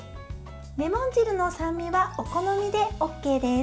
レモン汁の酸味はお好みでＯＫです。